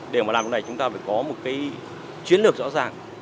để mà làm điều này chúng ta phải có một chiến lược rõ ràng